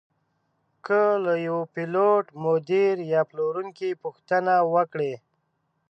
که له یوه پیلوټ، مدیر یا پلورونکي پوښتنه وکړئ.